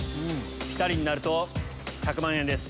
ピタリになると１００万円です。